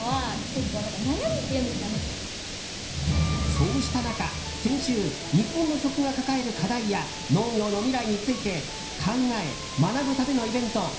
そうした中、先週日本の食が抱える課題や農業の未来について考え、学ぶためのイベント